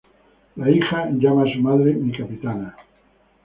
La hija llama a su madre "mi capitana".